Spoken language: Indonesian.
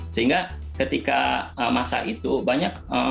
sehingga ketika masa itu banyak